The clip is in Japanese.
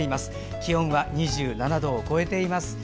気温は２７度を超えています。